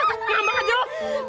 ngambak aja lu